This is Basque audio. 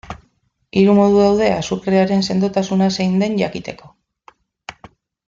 Hiru modu daude azukrearen sendotasuna zein den jakiteko.